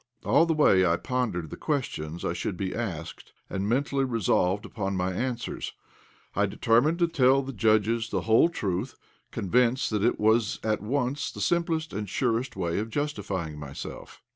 All the way I pondered the questions I should be asked, and mentally resolved upon my answers. I determined to tell the judges the whole truth, convinced that it was at once the simplest and surest way of justifying myself.